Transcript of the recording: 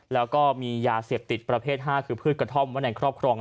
แล้วก็มียาเสพติดประเภท๕คือพืชกระท่อมไว้ในครอบครอง